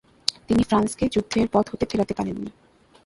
তিনি ফ্রান্সকে যুদ্ধের পথ হতে ফেরাতে পারেননি।